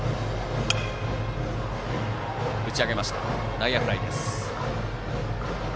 内野フライです。